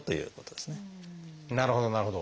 なるほどなるほど。